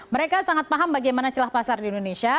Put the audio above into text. mereka sangat paham bagaimana celah pasar di indonesia